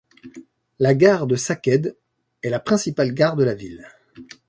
La gare de Sakaide est la principale gare de la ville.